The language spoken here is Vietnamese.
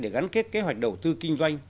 để gắn kết kế hoạch đầu tư kinh doanh